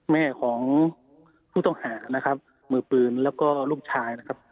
แม่ของผู้ต้องหานะครับมือปืนแล้วก็ลูกชายนะครับ